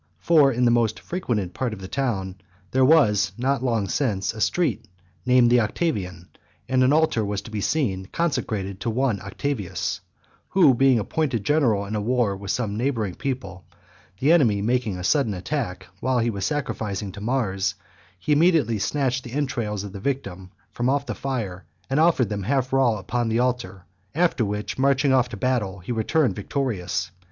For in the most frequented part of the town, there was, not long since, a street named the Octavian; and an altar was to be seen, consecrated to one Octavius, who being chosen general in a war with some neighbouring people, the enemy making a sudden attack, while he was sacrificing to Mars, he immediately snatched the entrails of the victim from off the fire, and offered them half raw upon the altar; after which, marching out to battle, he returned victorious.